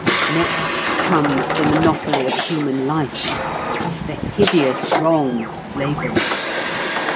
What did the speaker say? Next comes the monopoly of human life, the hideous wrong of slavery.